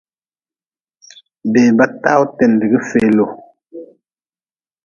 Beba tawu tindgi feelu.